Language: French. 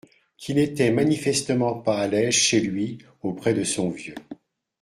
qui n’était manifestement pas à l’aise chez lui auprès de son vieux